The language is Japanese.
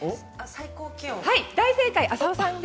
大正解！